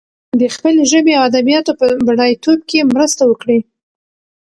د خپلې ژبې او ادبياتو په بډايتوب کې مرسته وکړي.